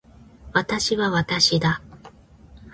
私は私だ。